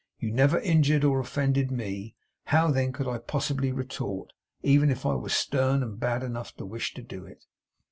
You never injured or offended me. How, then, could I possibly retort, if even I were stern and bad enough to wish to do it!